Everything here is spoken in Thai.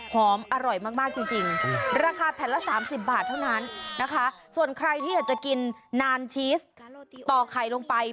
อร่อยมากจริงราคาแผ่นละ๓๐บาทเท่านั้นนะคะส่วนใครที่อยากจะกินนานชีสต่อไข่ลงไป